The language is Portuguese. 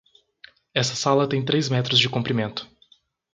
Essa sala tem três metros de comprimento.